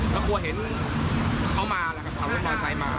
ก็ควรเห็นเขามาละครับเขาลงมาสายมา